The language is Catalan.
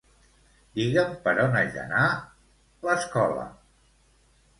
Digue'm per on haig d'anar l'escola.